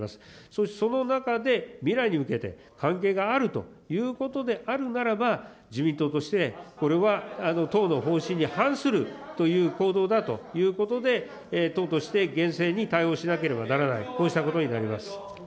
そしてその中で、未来に向けて関係があるということであるならば、自民党としてこれは党の方針に反するという行動だということで、党として厳正に対応しなければならない、こうしたことになります。